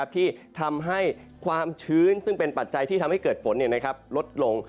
ที่ทำให้ความชื้นซึ่งเป็นปัจจัยที่ทำให้เกิดฝนลดลง